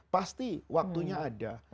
pasti waktunya ada